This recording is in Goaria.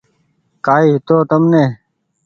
ڪآئي هيتو تمني